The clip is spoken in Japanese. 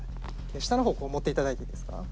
下の方こう持っていただいていいですか？